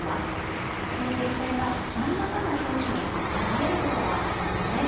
この血栓が何らかの拍子に剥がれることがあるんですね。